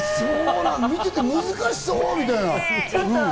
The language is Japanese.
見てて難しそうみたいな。